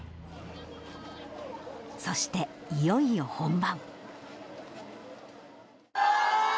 そして、いよいよ本番。